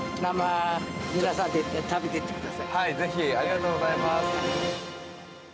はい、ぜひありがとうございます。